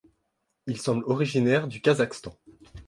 Il semble originaire du Kazakhstan.